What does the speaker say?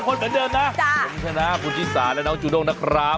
คนเหมือนเดิมนะคุณชนะคุณชิสาและน้องจูด้งนะครับ